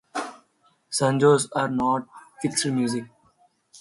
"Sanjo"s are not fixed music.